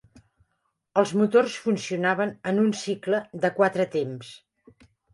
Els motors funcionaven en un cicle de quatre temps.